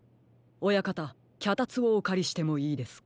親方きゃたつをおかりしてもいいですか？